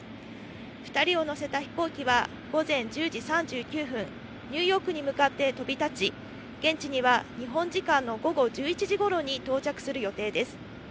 ２人を乗せた飛行機は午前１０時３９分、ニューヨークに向かって飛びたち、現地には日本時間の午後１１時頃に到着する予定です。